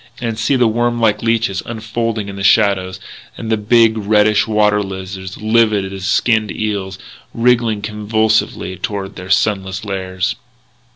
And see the worm like leeches unfolding in the shallows, and the big, reddish water lizards, livid as skinned eels, wriggling convulsively toward their sunless lairs....